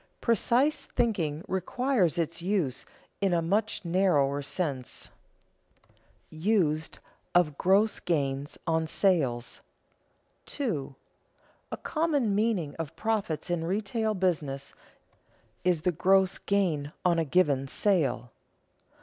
Precise thinking requires its use in a much narrower sense. [Sidenote: Used of gross gains on sales] 2. _A common meaning of profits in retail business is the gross gain on a given sale.